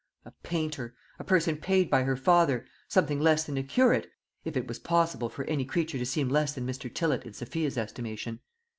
A painter a person paid by her father something less than a curate if it was possible for any creature to seem less than Mr. Tillott in Sophia's estimation.